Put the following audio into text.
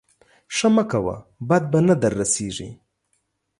ښه مه کوه بد به نه در رسېږي.